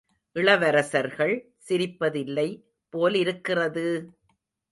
இளவரசர்கள் சிரிப்பதில்லை போலிருக்கிறது!